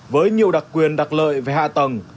với nhiều đặc quyền đặc lợi về hạ tầng